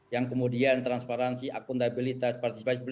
yang kemudian transparansi akuntabilitas participasi beli